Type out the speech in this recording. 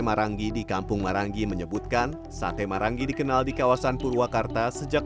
marangi di kampung marangi menyebutkan sate marangi dikenal di kawasan purwakarta sejak